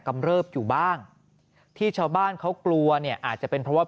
กำเริบอยู่บ้างที่ชาวบ้านเขากลัวเนี่ยอาจจะเป็นเพราะว่า